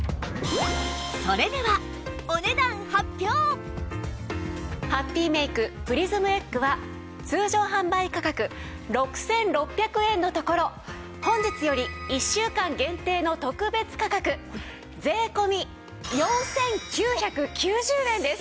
それではハッピーメイクプリズムエッグは通常販売価格６６００円のところ本日より１週間限定の特別価格税込４９９０円です。